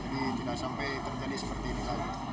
jadi tidak sampai terjadi seperti ini lagi